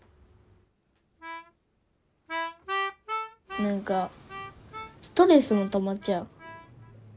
何かストレスがたまっちゃう。